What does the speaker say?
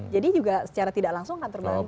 jadi juga secara tidak langsung kan terbantu